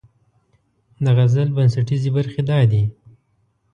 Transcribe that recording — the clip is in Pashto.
د غزل بنسټیزې برخې دا دي: